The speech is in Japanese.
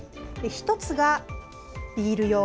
１つがビール用。